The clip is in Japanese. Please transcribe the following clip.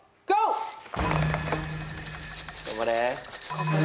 頑張れ。